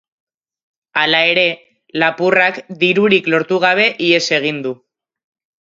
Hala ere, lapurrak dirurik lortu gabe ihes egin du.